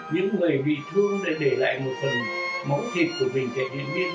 những người bị thương để để lại một phần máu thịt của mình tại điện viên